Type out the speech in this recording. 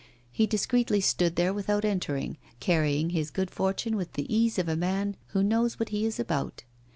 He discreetly stood there without entering, carrying his good fortune with the ease of a man who knows what he is about.